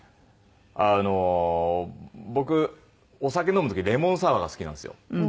あの僕お酒飲む時レモンサワーが好きなんですよ。